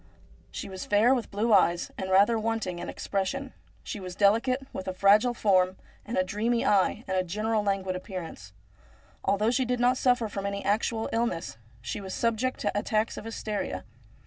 She was fair, with blue eyes, and rather wanting in expression. She was delicate, with a fragile form and a dreamy eye and a general languid appearance. Al though she did not suffer from any actual illness, she was subject to attacks of hysteria.